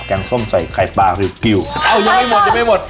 นี้แกงส้มใส่ไข่ปลาฟิลลิบกิวอ๋อยังไม่หมดยังไม่หมด